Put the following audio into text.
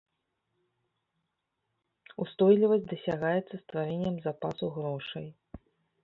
Устойлівасць дасягаецца стварэннем запасу грошай.